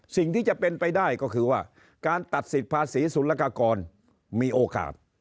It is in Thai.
สิ่งที่จะเป็นไปได้ก็คือว่าการตัดสิทธิ์ภาษีสุรกากรมีโอกาส